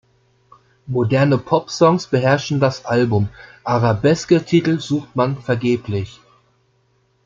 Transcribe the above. Moderne Pop-Songs beherrschen das Album, Arabeske-Titel sucht man vergeblich.